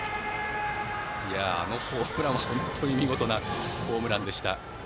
あのホームランは本当に見事なホームランでした。